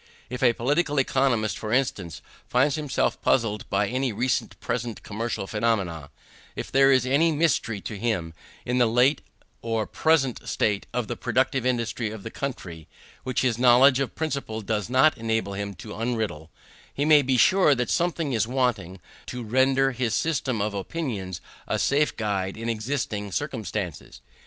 If a political economist, for instance, finds himself puzzled by any recent or present commercial phenomena; if there is any mystery to him in the late or present state of the productive industry of the country, which his knowledge of principle does not enable him to unriddle; he may be sure that something is wanting to render his system of opinions a safe guide in existing circumstances.